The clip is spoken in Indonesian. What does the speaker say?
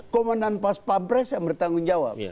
komandan pas pampres yang bertanggung jawab